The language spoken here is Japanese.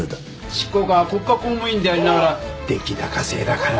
執行官は国家公務員でありながら出来高制だから。